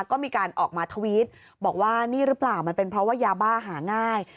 ก็มีการออกมาทวิตบอกว่านี่หรือเปล่ามันเป็นเพราะว่ายาบ้าหาง่าย